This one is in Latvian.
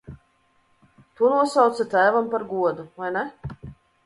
To nosauca tēvam par godu, vai ne?